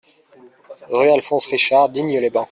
Rue Alphonse Richard, Digne-les-Bains